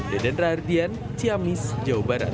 deden rardian ciamis jawa barat